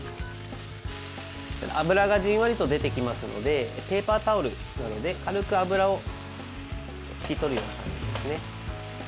脂がじんわりと出てきますのでペーパータオルなどで軽く脂を拭き取るような感じですね。